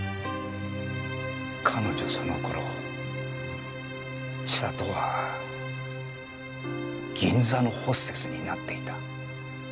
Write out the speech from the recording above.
彼女その頃千里は銀座のホステスになっていた。